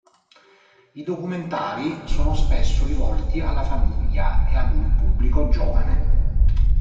I documentari sono spesso rivolti alla famiglia e ad un pubblico giovane.